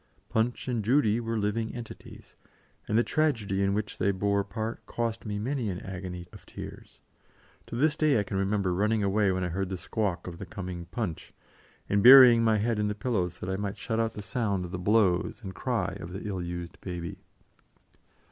Punch and Judy were living entities, and the tragedy in which they bore part cost me many an agony of tears; to this day I can remember running away when I heard the squawk of the coming Punch, and burying my head in the pillows that I might shut out the sound of the blows and the cry of the ill used baby.